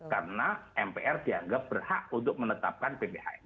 karena mpr dianggap berhak untuk menetapkan pphn